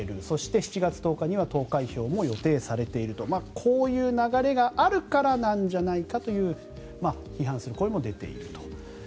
そして、７月１０日には投開票も予定されているということでこういう流れがあるからなんじゃないかという批判する声も出ていると。